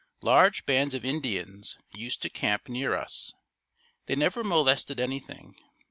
Large bands of Indians used to camp near us. They never molested anything.